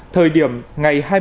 thời điểm ngày hai mươi năm